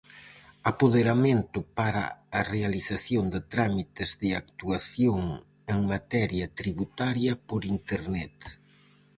Apoderamento para a realización de trámites de actuación en materia tributaria por Internet.